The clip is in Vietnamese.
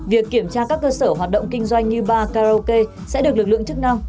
việc kiểm tra các cơ sở hoạt động kinh doanh như ba karaoke sẽ được lực lượng chức năng